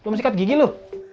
lu mau sikat gigi lu